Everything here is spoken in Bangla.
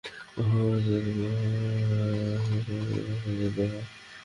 এতে অ্যাসিডিটি এবং পেটের সমস্যা হওয়ার ঝুঁকি বাড়ে, রক্তে কোলেস্টেরল বেড়ে যায়।